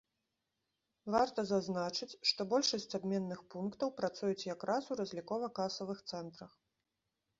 Варта зазначыць, што большасць абменных пунктаў працуюць якраз у разлікова-касавых цэнтрах.